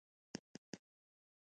خلک داسې وایي: